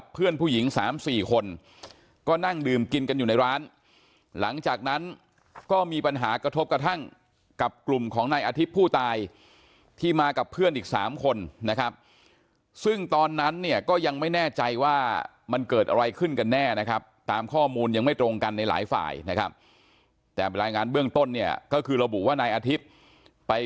เพื่อนผู้หญิงสามสี่คนก็นั่งดื่มกินกันอยู่ในร้านหลังจากนั้นก็มีปัญหากระทบกระทั่งกับกลุ่มของนายอาทิตย์ผู้ตายที่มากับเพื่อนอีก๓คนนะครับซึ่งตอนนั้นเนี่ยก็ยังไม่แน่ใจว่ามันเกิดอะไรขึ้นกันแน่นะครับตามข้อมูลยังไม่ตรงกันในหลายฝ่ายนะครับแต่รายงานเบื้องต้นเนี่ยก็คือระบุว่านายอาทิตย์ไป